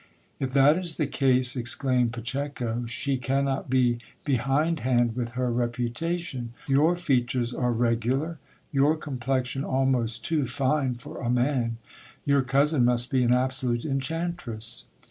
If that is the case, exclaimed Pacheco, she cannot be behindhand with her reputa tion. Vour features are regular, your complexion almost too fine for a man ; y jur cousin must be an absolute enchantress.